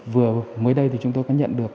vừa mới đây thì chúng tôi có nhận được